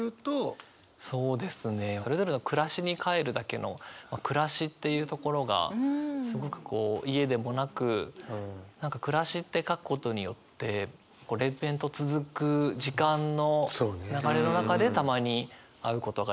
そうですね「それぞれの暮らしに帰るだけ」の「暮らし」っていうところがすごくこう家でもなく何か「暮らし」って書くことによって連綿と続く時間の流れの中でたまに会うことができて。